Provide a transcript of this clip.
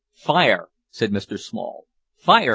"Fire!" said Mr Small. "Fire!"